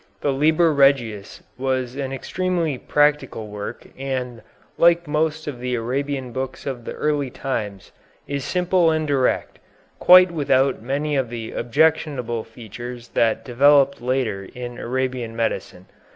The "Liber Regius" was an extremely practical work and, like most of the Arabian books of the early times, is simple and direct, quite without many of the objectionable features that developed later in Arabian medicine.